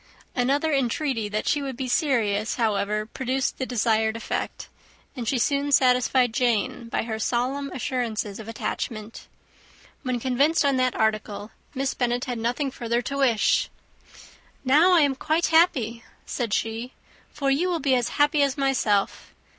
Another entreaty that she would be serious, however, produced the desired effect; and she soon satisfied Jane by her solemn assurances of attachment. When convinced on that article, Miss Bennet had nothing further to wish. "Now I am quite happy," said she, "for you will be as happy as myself.